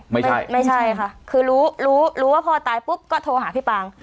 ไม่ใช่ค่ะคือรู้ว่าพ่อตายปุ๊บก็โทรหาพี่ปลาง